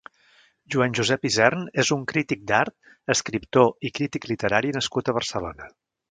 Joan Josep Isern és un crític d'art, escriptor i crític literari nascut a Barcelona.